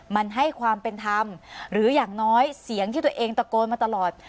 มันให้ความเป็นธรรมหรืออย่างน้อยเสียงที่ตัวเองตะโกนมาตลอด